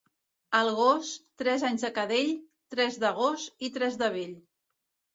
El gos, tres anys de cadell, tres de gos i tres de vell.